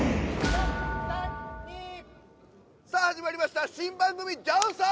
４３２さあ始まりました新番組ジョンソン！